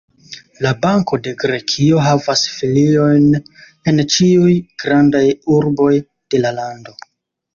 La Banko de Grekio havas filiojn en ĉiuj grandaj urboj de la lando.